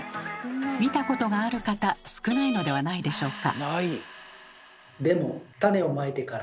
見たことがある方少ないのではないでしょうか。